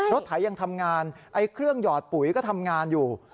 ไถยังทำงานไอ้เครื่องหยอดปุ๋ยก็ทำงานอยู่